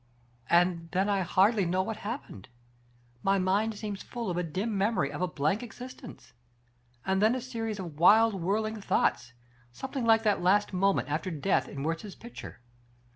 " And then I hardly know what happened. My mind seems full of a dim memory of a blank ex istence, and then a series of wild whirling thoughts, something like that last moment after death in Wiertz's picture.